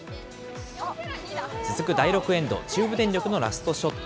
続く第６エンド、中部電力のラストショット。